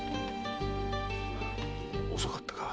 遅かったか。